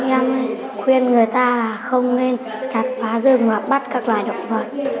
em khuyên người ta là không nên chặt phá rừng và bắt các loài động vật